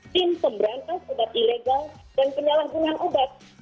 tim pemberantas obat ilegal dan penyalahgunaan obat